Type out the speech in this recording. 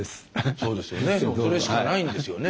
それしかないんですよね。